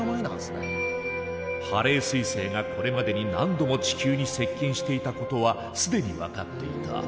ハレー彗星がこれまでに何度も地球に接近していたことは既に分かっていた。